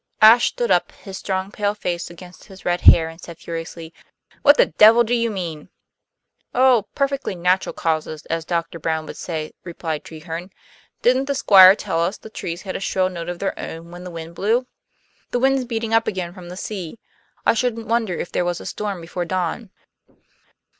Ashe stood up, his strong pale face against his red hair, and said furiously: "What the devil do you mean?" "Oh, perfectly natural causes, as Dr. Brown would say," replied Treherne. "Didn't the Squire tell us the trees had a shrill note of their own when the wind blew? The wind's beating up again from the sea; I shouldn't wonder if there was a storm before dawn."